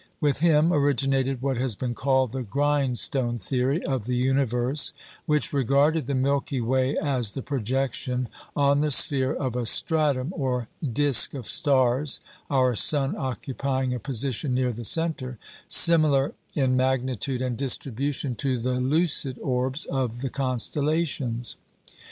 With him originated what has been called the "Grindstone Theory" of the universe, which regarded the Milky Way as the projection on the sphere of a stratum or disc of stars (our sun occupying a position near the centre), similar in magnitude and distribution to the lucid orbs of the constellations.